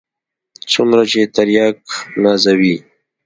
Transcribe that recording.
څومره چې ترياک نازوي.